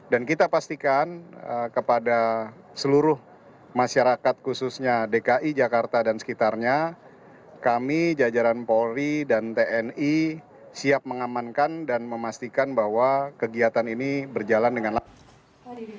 dan kita pastikan kepada seluruh masyarakat khususnya dki jakarta dan sekitarnya kami jajaran polri dan tni siap mengamankan dan memastikan bahwa kegiatan ini berjalan dengan lalu